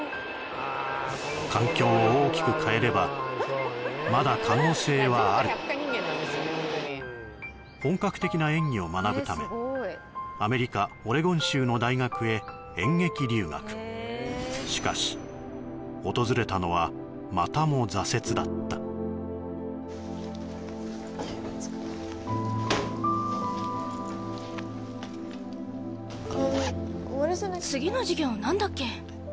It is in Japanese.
環境を大きく変えればまだ可能性はある本格的な演技を学ぶためアメリカオレゴン州の大学へ演劇留学しかし訪れたのはまたも挫折だった次の授業何だっけ？